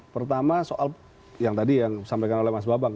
pertama soal yang tadi yang disampaikan oleh mas babang